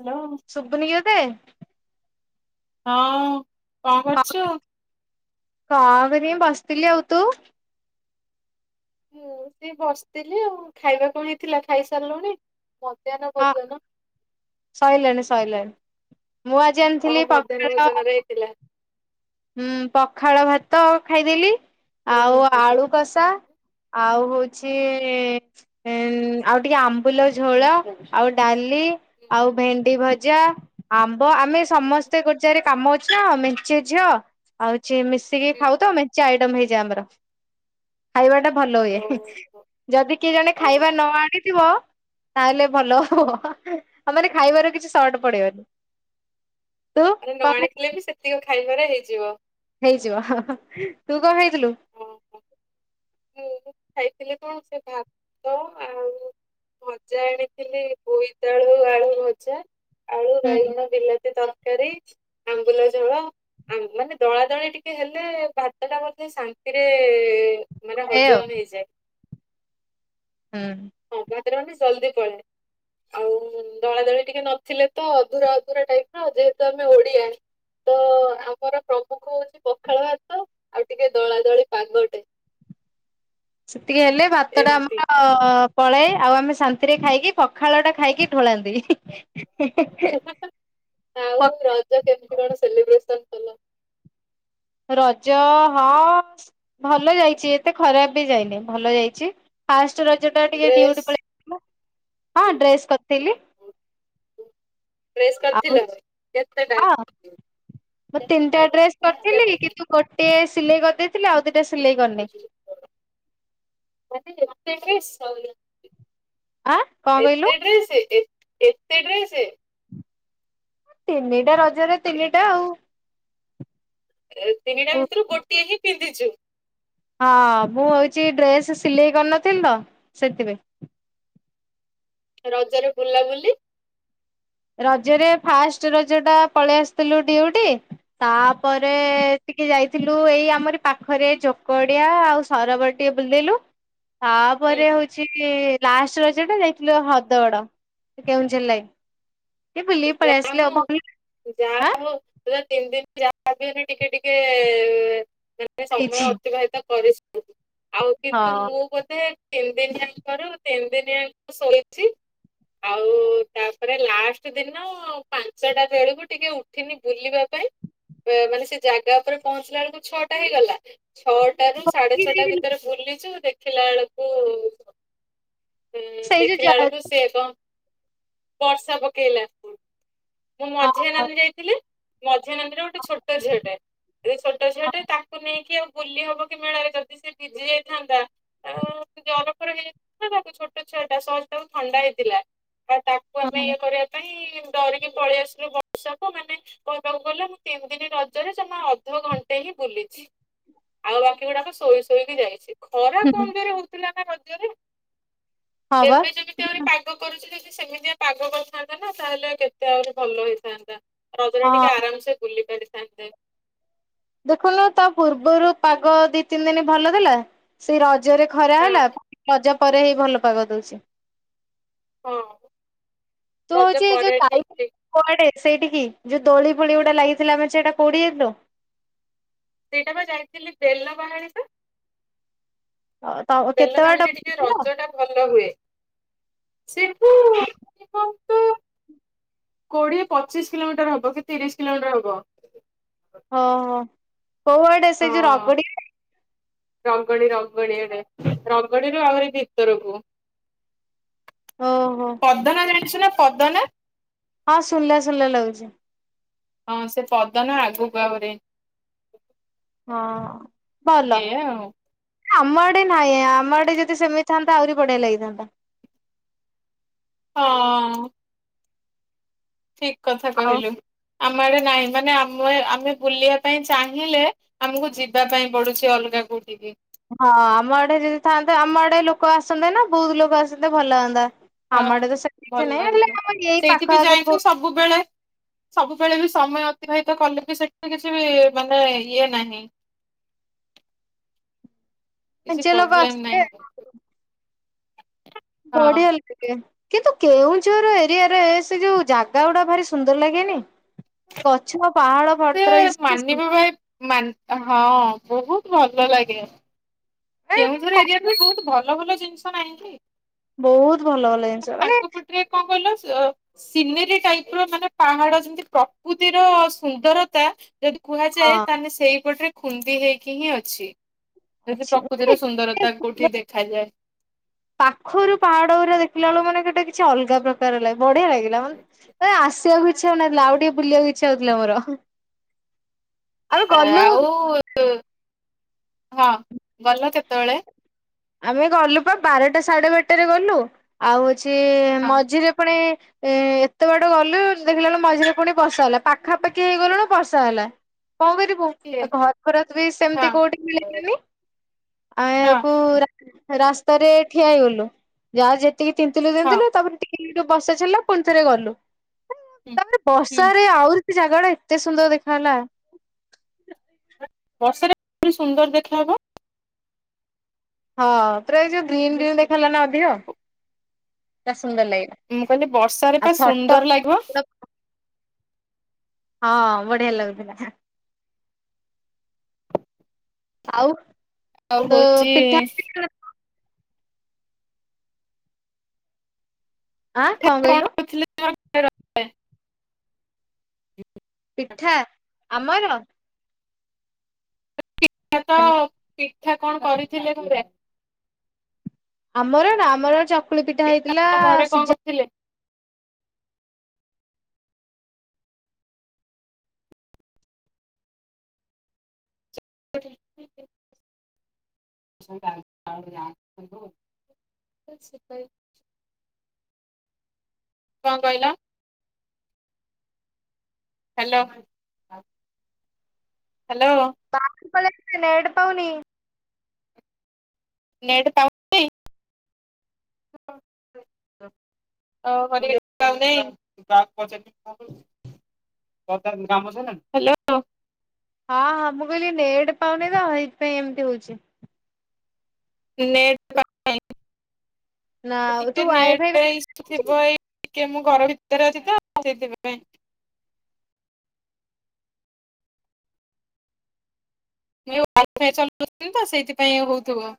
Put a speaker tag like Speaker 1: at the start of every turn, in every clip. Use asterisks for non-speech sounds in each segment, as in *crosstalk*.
Speaker 1: Hello
Speaker 2: ଶୁଭୁନିି କି ତତେ?
Speaker 1: ହଁ କଣ କରୁଛୁ?
Speaker 2: ହଁ କରିବି ବସିଥିଲି ଆଉ ତୁ?
Speaker 1: ହୁଁ ସିଏ ବସିଥିଲି ଆଉ ଖାଇବା କଣ ହେଇଥିଲା ଖାଇସାରିଲୁଣି ମଧ୍ୟାହ୍ନ
Speaker 2: ହଁ
Speaker 1: ଭୋଜନ?
Speaker 2: ସଇଲାଣି ସଇଲାଣି ମୁଁ ଆଜି ଆଣିଥିଲି ପଖାଳ
Speaker 1: ଥିଲା।
Speaker 2: ହୁଁ ପଖାଳ ଭାତ ଖାଇଦେଲି ଆଉ ଆଳୁ କଷା ଆଉ ହଉଛି ଉଁ ଆଉ ଟିକେ ଆମ୍ବୁଲ ଝୋଳ ଆଉ ଡାଲି ଆଉ ଭେଣ୍ଡି ଭଜା ଆମ୍ବ ଆମେ ସମସ୍ତେ ଗୋଟେ ଜାଗାରେ କାମ ଅଛି ନା ମେଞ୍ଚେ ଝିଅ ହଉଛି ମିଶି ମିଶିକି ଖାଉ ତ ମେଞ୍ଚେ ଆଇଟମ ହେଇଯାଏ ଆମର ଖାଇବା ଟା ଭଲ
Speaker 1: ଓ
Speaker 2: ହୁଏ
Speaker 1: ଓହୋ
Speaker 2: ଯଦି କିଏ ଜଣେ ଖାଇବା ନ
Speaker 1: ଓହୋ।
Speaker 2: ଆଣିଥିବ ତାହେଲେ ଭଲ ଆଉ ମାନେ ଖାଇବାରେ କିଛି ସର୍ଟ ପଡିବନି ତୁ
Speaker 1: ମାନେ ନ
Speaker 2: କଣ ଖାଇ
Speaker 1: ଆଣିଥିଲେ ବି ସେତିକି ଖାଇବାରେ ହେଇଯିବ
Speaker 2: ହେଇଯିବ ହଁ-ହଁ ତୁ କଣ ଖାଇଥିଲୁ?
Speaker 1: ଓହୋ। ମୁଁ ବି ଖାଇଥିଲି କଣ ସେ ଭାତ ଆଉ ଭଜା ଆଣିଥିଲି ବୋଇତାଳୁ ଆଳୁ ଭଜା ଆଳୁ,
Speaker 2: ହୁଁ
Speaker 1: ବାଇଗଣ, ବିଲାତି ତରକାରୀ ଆମ୍ବୁଲ ଝୋଳ ଆମ୍ବୁଲ ମାନେ ଦଳା ଦଳି ଟିକେ ହେଲେ ଭାତ ଟା ବୋଧେ ଶାନ୍ତିରେ ମାନେ
Speaker 2: ଏଇ ଆଉ
Speaker 1: ହଜମ୍ ହେଇଯାଏ।
Speaker 2: ହୁଁ।
Speaker 1: ଅବାଟରେ *unintelligible* ମାନେ ଜଲଦି ପଳାଏ। ଆଉ ଦଳାଦଳି ଟିକେ ନଥିଲେ ତ ଅଧୁରା ଅଧୁରା ଟାଇପ ର ଯେହେତୁ ଆମେ ଓଡିଆ ତ ଆମର ପ୍ରମୁଖ ହଉଛି ପଖାଳ ଭାତ ଆଉ ଟିକେ ଦଳା ଦଳି ପାଗଟେ
Speaker 2: ସେତିକି ହେଲେ ଭାତ ଟା
Speaker 1: ଏମିତି।
Speaker 2: ଆମର ପଳାଏ ଆଉ ଆମେ ଶାନ୍ତିରେ ଖାଇକି ପଖାଳ ଟା ଖାଇକି ଢୋଳାନ୍ତି
Speaker 1: ହିଁ--ହିଁ--ହିଁ। ଆଉ ରଜ କେମିତି କଣ ସେଲିବ୍ରେସନ କଲ?
Speaker 2: ରଜ ହଁ ଭଲ ଯାଇଛି ଏତେ ଖରାପ ବି ଯାଇନି ଭଲ ଯାଇଛି ଫାଷ୍ଟ ରଜ ଟା ଟିକେ
Speaker 1: ଡ୍ରେସ୍
Speaker 2: ଡିୱଟି ପଳେଇ ଯାଇଥିଲି ହଁ ଡ୍ରେସ୍ କରିଥିଲି
Speaker 1: ଡ୍ରେସ୍
Speaker 2: ଆଉ
Speaker 1: କରିଥିଲ କେତେଟା?
Speaker 2: ହଁ ମୁଁ ତିନିଟା ଡ୍ରେସ୍ କରିଥିଲି କିନ୍ତୁ ଗୋଟେ ସିଲେଇ କରିଦେଇଥିଲି ଆଉ ଦିଟା ସିଲେଇ କରିନି
Speaker 1: ଗୋଟେ ଡ୍ରେସ୍ ଆଉ ଇଏ *unintelligible*
Speaker 2: ଆ କଣ କହିଲୁ
Speaker 1: ଏତେ ଡ୍ରେସ ଏତ ଏତେ ଡ୍ରେସ
Speaker 2: ତିନିଟା ରଜରେ ତିନିଟା ଆଉ
Speaker 1: ତିନିଟା ଭିତରୁ ଗୋଟିଏ ହିଁ ପିନ୍ଧିଛୁ
Speaker 2: ହଁ ମୁଁ ହେଉଛି ଡ୍ରେସ୍ ସିଲେଇ କରିନଥିଲି ତ ସେଥିପାଇଁ
Speaker 1: ରଜରେ ବୁଲାବୁଲି?
Speaker 2: ରଜରେ ଫାଷ୍ଟ ରଜ ଟା ପଳେଇ ଆସିଥିଲୁ ଡିୱଟି ତାପରେ ଟିକେ ଯାଇଥିଲୁ ଏଇ ଆମର ପାଖରେ ଚୋକଡିଆ ଆଉ ସରବା ଟିକେ ବୁଲିଲୁ
Speaker 1: ହୁଁ
Speaker 2: ତାପରେ ହଉଛି ଲାଷ୍ଟ ରଜ ଟା ଯାଇଥିଲୁ ହ୍ରଦଗଡ କେଉଁଝର ଲାଇନ ଟିକେ ବୁଲିକି
Speaker 1: ଯାହା
Speaker 2: ପଳେଇସିଲି
Speaker 1: ହଉ
Speaker 2: ଆଉ *unintelligible*
Speaker 1: ଯାହା
Speaker 2: ଆଁ
Speaker 1: ହଉ ପୁରା ତିନି ଦିନ ଯାହା ବି ହେଲେ ଟିକେ ଟିକେ ମାନେ ସମୟ
Speaker 2: ହେଇଛି
Speaker 1: ଅତିବାହିତ କରି ଶ୍ ଆଉ କିନ୍ତୁ
Speaker 2: ହଁ।
Speaker 1: ମୁଁ ବୋଧେ ତିନି ଦିନି ଯାକର ତିନି ଦିନ ଯାକ ଶୋଇଛି, ଆଉ ତାପରେ ଲାଷ୍ଟ ସେଦିନ ପାଞ୍ଚଟା ବେଳକୁ ଟିକେ ଉଠିନି ବୁଲିବା ପାଇଁ ମାନେ ସେ ଜାଗା ଉପରେ ପହଞ୍ଚିଲା ବେଳକୁ ଛଅଟା ହେଇଗଲା, ଛଅ ଟାରୁ ସାଢେ ଛଅଟା ଭିତରେ ବୁଲିଛୁ ଦେଖିଲା ବେଳକୁ ଉଁ
Speaker 2: ସେଇ ଯୋଉ ଯା
Speaker 1: ଦେଖିଲା
Speaker 2: ହଁ
Speaker 1: ବେଳକୁ ସେ କଣ, ବର୍ଷା ପକେଇଲା। ମୋ ମଝିଆ
Speaker 2: ହଁ
Speaker 1: ନାନୀ ଯାଇଥିଲେ ମଝିଆ ନାନୀର ଗୋଟେ
Speaker 2: ହଁ
Speaker 1: ଛୋଟ ଝିଅଟାଏ, ଛୋଟ ଝିଅ ଟେ ତାକୁ ନେଇକି ଆଉ ବୁଲି ହବ କି ମେଳାରେ ଯଦି ସେ ଭିଜି ଯାଇଥାନ୍ତା ତାକୁ ଜର ଫର ହେଇ ଯାଇଥାନ୍ତା ତାପରେ ଛୋଟ ଛୁଆ ଟା ସହଜେ ତାକୁ ଥଣ୍ଡା ହେଇଥିଲା ଆଉ ତାକୁ କୁଆ ପାଇଁ କରିବା ପାଇଁ ଡରିକି ପଳେଇ ଆସିଲୁ ବର୍ଷାକୁ ମାନେ କହିବାକୁ ଗଲେ ମୁଁ ତିନି ଦିନିରେ ରଜରେ ଜମା ଅଧଘଣ୍ଟେ ହିଁ ବୁଲିଛି। ଆଉ ବାକି ଗୁଡାକ ଶୋଇ ଶୋଇକି ଯାଇଛି। ଖରା
Speaker 2: ହୁଁ,
Speaker 1: କମ ଜୋରେ ହେଉଥିଲା ନା ରଜରେ,
Speaker 2: ହଁ ବା।
Speaker 1: ଏବେ ଯଦି ଏବେ ଆହୁରି ପାଗ କରୁଛି ଯଦି ସେମିତିଆ ପାଗ କରିଥାନ୍ତା ନା ତାହେଲେ କେତେ ଆହୁରି ଭଲ ହେଇଥାନ୍ତା। ରଜରେ ଟିକେ
Speaker 2: ହଁ
Speaker 1: ଆରାମସେ ବୁଲି ପାରିଥାନ୍ତେ।
Speaker 2: ଦେଖନ ତା ପୂର୍ବରୁ ପାଗ ଦି ତିନି ଦିନ ଭଲ ଦେଲା। ସେଇ ରଜରେ ଖରା
Speaker 1: ହଁ
Speaker 2: ହେଲା, ରଜ ପରେ ହେଇ ଭଲ ପାଗ ଦେଉଛି।
Speaker 1: ହଁ। ରଜ
Speaker 2: ତଛି ଯଉ
Speaker 1: ପରେ
Speaker 2: ଚାଇ
Speaker 1: ଠିକ
Speaker 2: *unintelligible*
Speaker 1: ଠିକ।
Speaker 2: କୁଆଡେ ସେଇଠିକି ଯୋଉ ଦୋଳି ଫୋଳି ଗୁଟା ଲାଗିଥିଲା ମେଞ୍ଚେ ସେଟା କୋଇଠିକି ଯାଇଥିଲୁ?
Speaker 1: ସେଇଟା ବା ଯାଇଥିଲି ବେଲ ବାହାଡି ପା।
Speaker 2: ଅ, ତ କେତେ
Speaker 1: ବେଲ
Speaker 2: ବାଟ
Speaker 1: ବାଳିରେ ଟିକେ
Speaker 2: ବୁଲିଥିଲ?
Speaker 1: ରଜ ଟା ଭଲ ହୁଏ, ସେଠୁ ମିନିମମ କୋଡିଏ ପଚିଶ କିଲୋମିଟର ହବ କି ତିରିଶ କିଲୋମିଟର ହବ।
Speaker 2: ଓହୋ, କୋଉଆଡେ ସେଇ ଯୋଉ
Speaker 1: ହଁ
Speaker 2: ରଗଡି
Speaker 1: ରଗଡି ର ଗଡି ଏଡେ ରଙ୍ଗଡିରୁୁ ଆହୁରି ଭିତରକୁ। ହଁ *inaudible*
Speaker 2: ଓହୋ।
Speaker 1: ପଦନା ଜାଣିଛୁ ନା ପଦନା?
Speaker 2: ହଁ ଶୁଣିଲା ଶୁଣିଲା ଲାଗୁଛି।
Speaker 1: ହଁ ସେ ପଦନା ଆଗକୁ ଆହୁରି।
Speaker 2: ହଁ, ଭଲ।
Speaker 1: ଏଇଆ ଆଉ।
Speaker 2: ଆମ ଆଡେ ନାହିଁ ଆମ ଆଡେ ଯଦି ସେମିତି ଥାନ୍ତା ଆହୁରି ବଢିଆ ଲାଗିଥାନ୍ତା।
Speaker 1: ହଁ ଅ-। ଠିକ୍ କଥା
Speaker 2: ଆଉ
Speaker 1: କହିଲୁ, ଆମ ଆଡେ ନାହିଁ ମାନେ ଆମେ ଆମେ ବୁଲିବା ପାଇଁ ଚାହିଁଲେ ଆମକୁ ଯିବା ପାଇଁ ପଡୁଛି ଅଲଗା କୋଉଠିକି।
Speaker 2: ହଁ ଆମ ଏଡେ ଯଦି ଥାଆନ୍ତାେ ଆମ ଆଡେ ଲୋକ ଆସନ୍ତେ ନା ବହୁତ ଲୋକ ଆସନ୍ତେ ଭଲ ହୁଅନ୍ତା।
Speaker 1: ହଁ
Speaker 2: ଆମ ଆଡେ ତ ସେମିତି
Speaker 1: ଭଲ
Speaker 2: କିଛି ନାହିଁ ହେଲେ
Speaker 1: ଲାଗନ୍ତା।
Speaker 2: ଆମ ଏଇ
Speaker 1: ସେଇଠି ବି
Speaker 2: ପାଖ ଆଖରେ
Speaker 1: ଯାଇକି
Speaker 2: କୋଭ ଠି
Speaker 1: ସବୁବେଳେ! ସବୁବେଳେ ବି ସମୟ ଅତିବାହିତ କଲେ ବି ସେମିତି କିଛି ବି ମାନେ ଇଏ ନାହିଁ। କିଛି
Speaker 2: ମେଁଚେ ଲୋକ
Speaker 1: ପ୍ରୋବ୍ଲେମ ନାହିଁ
Speaker 2: ଆସିବେ!
Speaker 1: ହଁ
Speaker 2: ବଢିଆଲ। ଆଜ୍ଞା, କିନ୍ତୁ କେଉଁଝର ଏରିଆରେ ସେ ଯୋଉ ଜାଗା ଗୁଡା ଭାରି ସୁନ୍ଦର ଲାଗେନି? ଗଛ ନା ପାହାଡ଼
Speaker 1: ସେ ମାନିବା ଭାଇ ମାନ୍ ହଁ ବହୁତ ଭଲ ଲାଗେ।
Speaker 2: ମାନେ
Speaker 1: କେଉଁଝର ଏରିଆରେ ବି ବହୁତ ଭଲ ଭଲ ଜିନିଷ ନାହିଁ କି?
Speaker 2: ବହୁତ ଭଲ ଭଲ ଜିନିଷ, ମାନେ
Speaker 1: ରେ କଣ କହିଲ *unintelligible* ସିନେରୀ ଟାଇପ ର ମାନେ ପାହାଡ, ଯେମତି ପ୍ରକୃତିର ସୁନ୍ଦରତା ଯଦି
Speaker 2: ହଁ
Speaker 1: କୁହାଯାଏ ତାହେଲେ ସେଇପଟରେ ଖୁନ୍ଦି ହେଇକି ହିଁ ଅଛି, ଯଦି
Speaker 2: ଅଛି
Speaker 1: ପ୍ର
Speaker 2: ମାନେ
Speaker 1: କୃତି ର
Speaker 2: ଏତେ
Speaker 1: ସୁନ୍ଦରତା କୋଉଠି
Speaker 2: ସୁନ୍ଦର
Speaker 1: ଦେଖାଯାଏ।
Speaker 2: ପାଖରୁ ପାହାଡ ଗୋରା ଦେଖିଲା ବେଳ ମାନେ ଗୋଟେ କିଛି ଅଲଗା ପ୍ର *unintelligible* ବଢିଆ ଲାଗିଲା ମାନେ ଆସିବାକୁ ଇଚ୍ଛା ହଉନଥିଲା ଆଉ ଟିକେ ବୁଲିବାକୁ ଇଚ୍ଛା ହଉଥିଲା ମୋର। ଆମେ ଗଲୁ
Speaker 1: ଆଉ, ହଁ ଗଲ କେତେବେଳେ?
Speaker 2: ଆମେ ଗଲୁ ପା ବାରଟା ସାଢେ ବାରଟାରେ ଗଲୁ, ଆଉ ହଉଛି
Speaker 1: ହଁ
Speaker 2: ମଝିରେ ପୁଣି ଏ ଏତେ ବାଟ ଗଲୁ। ଦେଖିଲା ବେଲକୁ ମଝିରେ ପୁଣି ବର୍ଷା ହେଲା, ପାଖାପାଖି ହେଇଗଲୁଣୁ ବର୍ଷା ହେଲା, କଣ କରିବୁ?
Speaker 1: କିଏ
Speaker 2: ଆ ଘର ଘର ବି ସେମିତି
Speaker 1: ହଁ
Speaker 2: କୋଉଠି ମିଳିଲାନି,
Speaker 1: ହଁ
Speaker 2: ଆୟାକୁ ରା ରାସ୍ତାରେ ଠିଆ ହେଇଗଲୁ, ଯାହା ଯେତିକି ତିନ୍ତିଲୁ
Speaker 1: ହଁ
Speaker 2: ତିନ୍ତିଲୁ, ତାପରେ ଟି *unintelligible* ବର୍ଷା ଛାଡିଲା ପୁଣି ଥରେ ଗଲୁ
Speaker 1: ହୁଁ
Speaker 2: *unintelligible*
Speaker 1: ହୁଁ
Speaker 2: ବର୍ଷାରେ ଆହୁରି ସେ ଜାଗା ଟା ଏତେ ସୁନ୍ଦର ଦେଖା ହେଲା।
Speaker 1: ବର୍ଷା ପୁଣି ସୁନ୍ଦର ଦେଖାହେବ।
Speaker 2: ହଁ ପୁରା ଏ ଯୋଉ ଗ୍ରୀନ ଗ୍ରୀନ ଦେଖାଲା ନା ଅଧିକ, ପୁରା ସୁନ୍ଦର ଲାଗିଲା।
Speaker 1: ମୁଁ କହିଲି ବର୍ଷ
Speaker 2: ଆଉ
Speaker 1: ପା ସୁନ୍ଦର ଲାଗିବ।
Speaker 2: ଫଟୋ ହଁ ବଢିଆ ଲାଗୁଥିଲା। ଆଉ
Speaker 1: ଆଉ
Speaker 2: ତ
Speaker 1: ହଉଛି
Speaker 2: ପିଠା ଆଁ, କଣ କହିଲୁ?
Speaker 1: *inaudible*
Speaker 2: ପିଠା ଆମର?
Speaker 1: *unintelligible* ତ, ପିଠା କଣ କରିଥିଲେ ଘରେ?
Speaker 2: ଆମର ନା ଆମର ଚ
Speaker 1: *unintelligible* ଘରେ କଣ କରିଥିଲେ? କଣ କହିଲ? ହ୍ୟାଲୋ। ହ୍ୟାଲୋ।
Speaker 2: *inaudible* ନେଡ଼ ପାଉନି।
Speaker 1: ନେଟ ପାଉ *inaudible* କ ତାର କାମ ସଇଲାଣି, ହ୍ୟାଲୋ।
Speaker 2: ହଁ ହଁ, ମୁଁ କହିଲି ନେଟ୍ ପାଉନି ତ ହେଇଥିପାଇଁ ଏମିତି ହଉଛି।
Speaker 1: ନେଟ
Speaker 2: ନା
Speaker 1: *inaudible*
Speaker 2: ତୁ
Speaker 1: ଟିକେ
Speaker 2: ୱାଇ ଫାଇ
Speaker 1: ନେଟେ ଇଶୁ
Speaker 2: ବାହାରକୁ
Speaker 1: ଥିବ ଏଇ। ଟିକେ ମୁଁ ଘର ଭିତରେ ଅଛି ତ ଆ ସେଇଥିପାଁଇ। *inaudible* ସେଇଥିପାଇଁ ହଉଥିବ।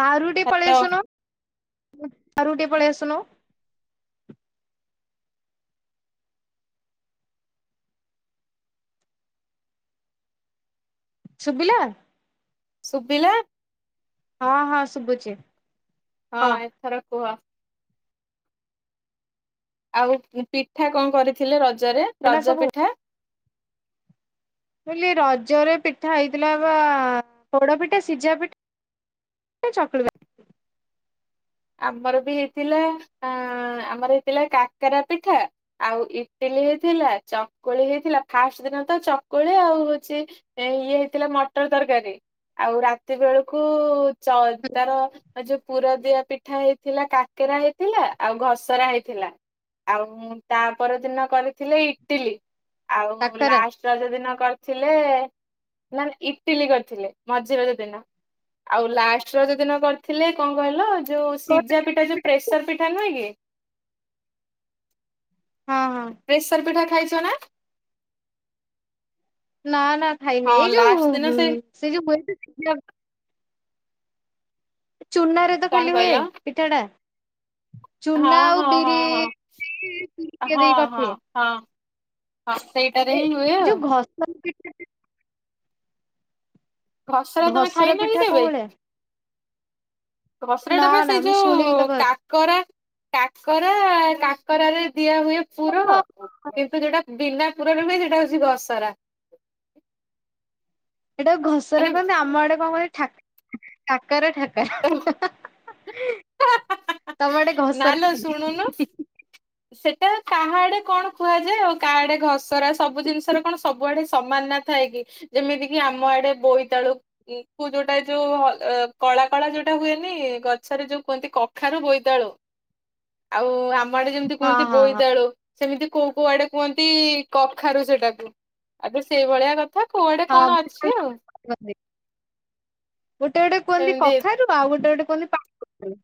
Speaker 2: ବାରୁଟିକୁ ପଳେଇ
Speaker 1: ତ
Speaker 2: ଆସୁନୁ, ବାରୁଟି ପଳେଇ ଆସୁନୁ। ସୁଭିଲା।
Speaker 1: ସୁବିଲା।
Speaker 2: ହଁ, ହଁ ଶୁଭୁଛିି।
Speaker 1: ହଁ, ଏଥର କୁହ। ଆଉ ପିଠା କଣ କରିଥିଲେ। ରଜରେ
Speaker 2: ଏନା
Speaker 1: ରଜ
Speaker 2: ସବୁ ମୁଁ
Speaker 1: ପିଠା?
Speaker 2: ମୁଁ କହିଲି ରଜରେ ପିଠା ହେଇଥିଲା ବା ପୋଡ଼ ପିଠା, ସିଝା ପିଠା, ଏ ଚକୁଳି ପିଠା।
Speaker 1: ଆମର ବି ହେଇଥିଲା ଅ ଆମର ହେଇଥିଲା କାକରା ପିଠା, ଆଉ ଇଟିଲି ହେଇଥିଲା, ଚକୁଳି ହେଇଥିଲା, ଫାଷ୍ଟ ଦିନ ତ ଚକୁଳି, ଆଉ ହଉଛି। ଏ ଇଏ ହେଇଥିଲା ମଟର ତରକାରୀ। ଆଉ ରାତି ବେଳକୁ
Speaker 2: ପିଠା
Speaker 1: ତାର ଯୋଉ ପୁର ଦିଆ ପିଠ ପିଠା ହେଇଥିଲା, କାକେରା ହେଇଥିଲା, ଆଉ ଘସରା ହେଇଥିଲା। ଆଉ ମୁଁ ତା ପରଦିନ କରିଥିଲି ଇଟିଲି, ଆଉ ମୁଁ
Speaker 2: କାକରା
Speaker 1: ଲାଷ୍ଟ ରଜ ଦିନ କରିଥିଲେ, ନା ଇଟିଲି କରିଥିଲେ, ମଝି ରଜ ଦିନ। ଆଉ ଲାଷ୍ଟ ରଜ ଦିନ କରିଥିଲେ, କଣ କହିଲ ଯୋଉ
Speaker 2: ହଁ
Speaker 1: ସିଝା ପିଠା, ଯୋଉ ପ୍ରେସର ପିଠା ନୁହେଁ କି
Speaker 2: ହଁ- ହଁ-
Speaker 1: ପ୍ରେସର ପିଠା ଖାଇଛ ନା?
Speaker 2: ନା- ନା ଖାଇନି
Speaker 1: ହଁ
Speaker 2: ଏଇ
Speaker 1: ଲାଷ୍ଟ
Speaker 2: ଯୋଉ
Speaker 1: ଦିନ
Speaker 2: ସେ ଯୋଉ ହୁଏ ଚୁନାରେ ତ
Speaker 1: କଣ
Speaker 2: ଖାଲି ହୁଏ।
Speaker 1: କହିଲ
Speaker 2: ପିଠା ଟା ଚୁନା
Speaker 1: ହଁ
Speaker 2: ଆଉ
Speaker 1: ହଁ
Speaker 2: ବିରି
Speaker 1: ହଁ ହଁ।
Speaker 2: ଏ ଦେଇ *unintelligible*
Speaker 1: ହଁ ହଁ
Speaker 2: କରିଥିଲେ
Speaker 1: ହଁ ହଁ, ସେଇଟା
Speaker 2: ଏ ଯୋଉ ଘସରା ପିଠା
Speaker 1: ଘସରା ତମେ
Speaker 2: ଘସର
Speaker 1: ଖାଇନ
Speaker 2: ପିଠା
Speaker 1: କି
Speaker 2: କୋଉ
Speaker 1: କେବେ?
Speaker 2: ଭଳିଆ
Speaker 1: ଘସରା ଟା
Speaker 2: ନା
Speaker 1: ବା
Speaker 2: ନା
Speaker 1: ସେଇ
Speaker 2: ମୁଁ ଶୁଣିଲି
Speaker 1: ଯୋଉ
Speaker 2: ତ
Speaker 1: କା କରା, କାକରା, କାକରରେ ଦିଆ ହୁଏ ପୁର
Speaker 2: ବା
Speaker 1: କିନ୍ତୁ ଯୋଉଟା ବିନାପୁରରେ ହୁଏ। ସେଟା ହଉଛି ଘସରା।
Speaker 2: ଏଇଟାକୁ ଘସରା
Speaker 1: ମାନେ
Speaker 2: କହନ୍ତି। ଆମ ଆଡେ କଣ କହନ୍ତି ଠା ଠାକର- ଠାକରା ତମ ଆଡେ ଘାସରା
Speaker 1: ନାଲୋ
Speaker 2: କୁହନ୍ତି
Speaker 1: ଶୁଣୁନୁ
Speaker 2: ହି- ହି -ହି
Speaker 1: ସେଟା କାହା ଆଡେ କଣ କୁହାଯାଏ ଆଉ କାହା ଆଡେ ଘସରା ସବୁ ଜିନିଷରେ କଣ ସବୁଆଡେ ସମାନ ନା ଥାଏ କି, ଯେମିତି କି ଆମ ଆଡେ ବୋଇତାଳୁ ତୁ ଯୋଉଟା ଯୋଉ କଳା କଳା ଯୋଉଟା ହୁଏନି, ଗଛରେ ଯୋଉ କୁହନ୍ତି। କଖାରୁ ବୋଇ ତାଳୁ ଆଉ ଆମ ଆଡେ ଯେମିତି
Speaker 2: ହଁ
Speaker 1: କୁହନ୍ତି
Speaker 2: ହଁ ହଁ
Speaker 1: ବୋଇତାଳୁ ସେମିତି କୋଉ କୋଉ ଆଡେ କୁହନ୍ତି, କଖାରୁ ସେଇଟାକୁ ଆ ତ ସେଇଭଳିଆ କ
Speaker 2: ହଁ ଗୋଟେ ଗୋଟେ କୁହନ୍ତି
Speaker 1: ଏମିତି
Speaker 2: କଖାରୁ। ଆଉ ଗୋଟେ- ଗୋଟେ ଆଡେକୁହନ୍ତି ପାଣି କଖାରୁ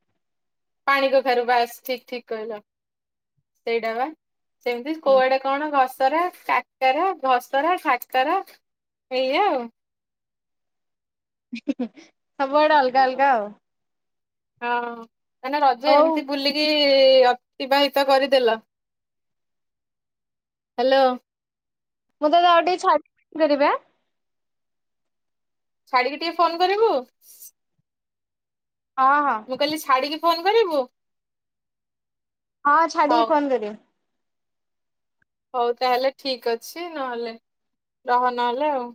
Speaker 1: ପାଣି କଖାରୁ ବାସ୍ ଠିକ ଠିକ କହିଲ ସେଇଟା ବା ସେମିତି
Speaker 2: ହୁଁ
Speaker 1: କୋଉଆଡେ କଣ ଘସରା, କାକରା, ଘସରା, କାକରା, ଏଇଆ ଆଉ
Speaker 2: *inaudible* ଅଲଗା ଅଲଗା ଆଉ।
Speaker 1: ହଁ, ମାନେ ରଜ
Speaker 2: ହଉ
Speaker 1: ଏମିତି ବୁଲିକି କି ଅତିବାହିତ କରିଦେଲ। ହ୍ୟାଲୋ!
Speaker 2: ମୁଁ କହିଲି, ଆଉ ଟିକେ ଛାଡିକି କରିବେ ହାଁ
Speaker 1: ଛାଡିକି ଟିକେ ଫୋନ କରିବୁ।
Speaker 2: ହଁ- ହଁ
Speaker 1: କହିଲ ଛାଡିକି ଫୋନ କରିବୁ?
Speaker 2: ହଁ
Speaker 1: ହଉ
Speaker 2: ଛାଡ଼ିକି ଫୋନ କରିବି।
Speaker 1: ହଉ ତାହେଲେ ଠିକ ଅଛି ନହେଲେ ରହ ନହେଲେ ଆଉ।